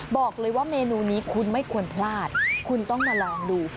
บอกเลยว่าเมนูนี้คุณไม่ควรพลาดคุณต้องมาลองดู